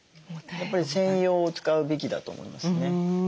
やっぱり専用を使うべきだと思いますね。